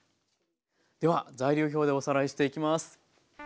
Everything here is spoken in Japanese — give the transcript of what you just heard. では材料表でおさらいしていきます。